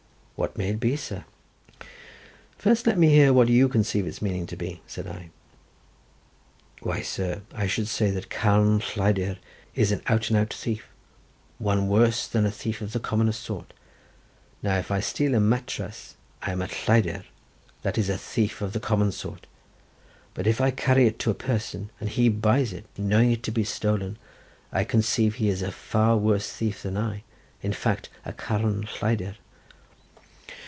"What may it be, sir?" "First let me hear what you conceive its meaning to be," said I. "Why, sir, I should say that Carn lleidyr is an out and out thief—one worse than a thief of the common sort. Now, if I steal a matrass I am a lleidyr, that is a thief of the common sort; but if I carry it to a person, and he buys it, knowing it to be stolen, I conceive he is a far worse thief than I; in fact, a carn lleidyr."